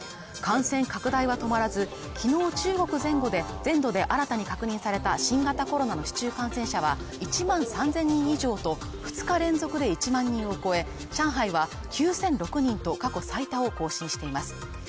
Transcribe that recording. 感染拡大は止まらず昨日中国前後で全土で新たに確認された新型コロナの市中感染者は１万３０００人以上と２日連続で１万人を超え上海は９００６人と過去最多を更新しています